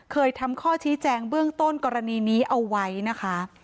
เคยทำข้อชี้แจงเบื้องต้นกรณีนี้เอาไว้นะคะ